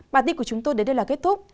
bản tin của chúng tôi đến đây là kết thúc